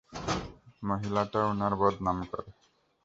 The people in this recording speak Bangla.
মহিলাটা উনার বদনাম করে।